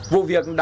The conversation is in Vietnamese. của đảng nhà nước